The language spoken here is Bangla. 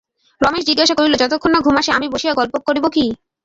রমেশ জিজ্ঞাসা করিল, যতক্ষণ না ঘুম আসে আমি বসিয়া গল্প করিব কি?